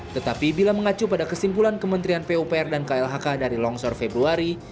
tetapi bila mengacu pada kesimpulan kementerian pupr dan klhk dari longsor februari